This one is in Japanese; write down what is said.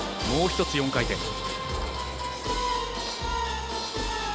もう１つ４回転。